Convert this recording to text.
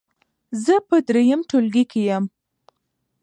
زه په دریم ټولګي کې یم.